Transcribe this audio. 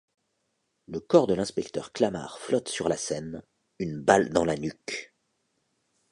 Le corps de l'inspecteur Clamart flotte sur la Seine, une balle dans la nuque.